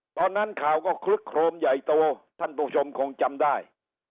ตอนนั้นข่าวก็คลึกโครมใหญ่โตท่านผู้ชมคงจำได้